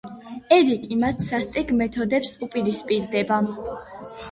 ერიკი მათ სასტიკ მეთოდებს უპირისპირდება.